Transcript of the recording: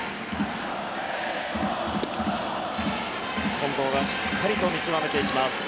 近藤がしっかり見極めていきます。